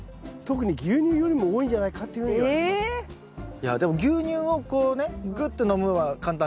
いやでも牛乳をこうねぐって飲むのは簡単じゃん。